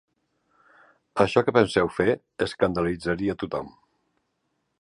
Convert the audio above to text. Això que penseu fer escandalitzaria tothom.